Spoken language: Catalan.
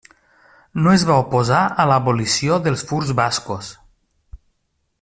No es va oposar a l'abolició dels furs bascos.